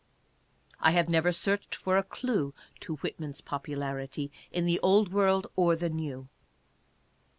I have never searched for a clue to Whitman's popularity in the old world or the new.